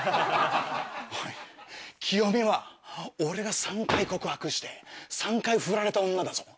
キヨミは俺が３回告白して３回フラれた女だぞ？